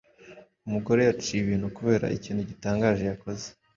umugore yaciye ibintu kubera ikintu gitangaje yakoze